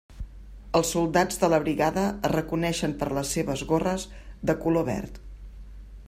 Els soldats de la brigada es reconeixen per les seves gorres de color verd.